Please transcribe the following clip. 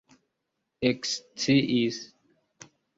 eksciis